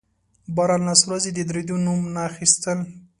باران لس ورځې د درېدو نوم نه اخيستل.